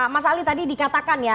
mas ali tadi dikatakan ya